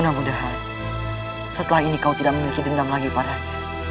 mudah mudahan setelah ini kau tidak memiliki dendam lagi parah